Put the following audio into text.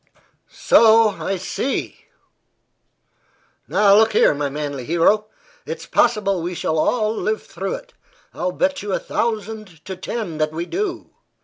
"So I see. Now, look here, my manly hero. It's possible we shall all live through it; I'll bet you a thousand to ten that we do.